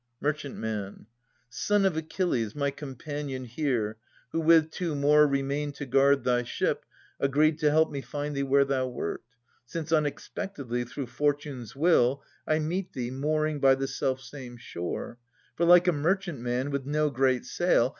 Merchantman. Son of Achilles, my companion here, Who with two more remained to guard thy ship. Agreed to help me find thee where thou wert, Since unexpectedly, through fortune's will, I meet thee, mooring by the self same shore. For like a merchantman, with no great sail.